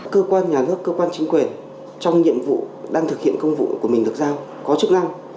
cơ quan nhà nước cơ quan chính quyền trong nhiệm vụ đang thực hiện công vụ của mình được giao có chức năng